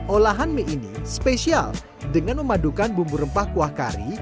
olahan mie ini spesial dengan memadukan bumbu rempah kuah kari